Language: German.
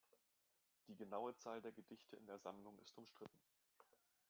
Die genaue Zahl der Gedichte in der Sammlung ist umstritten.